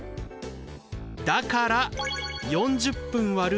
だから４０分割る２０分。